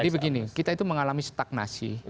jadi begini kita itu mengalami stagnasi